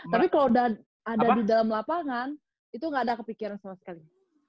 tapi kalau udah ada di dalam lapangan itu gak ada kepikiran sama sekali